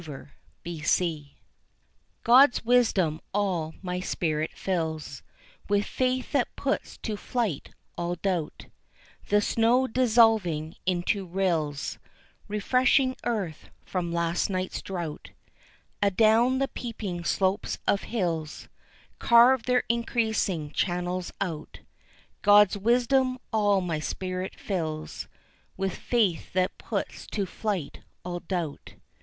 RONDEL. God's wisdom all my spirit fills With faith that puts to flight all doubt, The snow dissolving into rills Refreshing earth from last year's drought Adown the peeping slopes of hills Carve their increasing channels out, God's wisdom all my spirit fills With faith that puts to flight all doubt.